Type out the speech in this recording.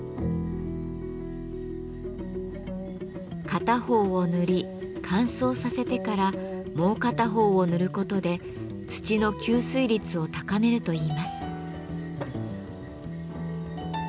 片方を塗り乾燥させてからもう片方を塗ることで土の吸水率を高めるといいます。